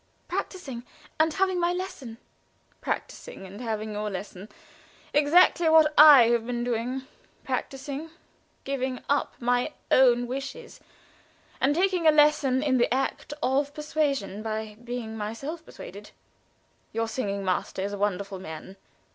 "Practicing and having my lesson." "Practicing and having your lesson exactly what I have been doing. Practicing giving up my own wishes, and taking a lesson in the act of persuasion, by being myself persuaded. Your singing master is a wonderful man.